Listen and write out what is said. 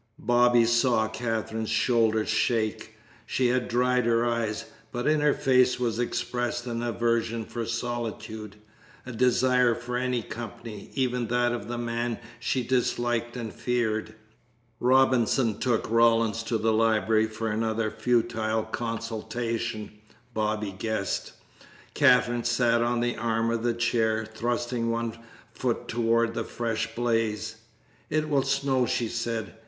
Bobby saw Katherine's shoulders shake. She had dried her eyes, but in her face was expressed an aversion for solitude, a desire for any company, even that of the man she disliked and feared. Robinson took Rawlins to the library for another futile consultation, Bobby guessed. Katherine sat on the arm of a chair, thrusting one foot toward the fresh blaze. "It will snow," she said.